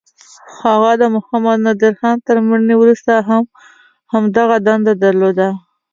هغه د محمد نادرخان تر مړینې وروسته هم همدغه دنده درلوده.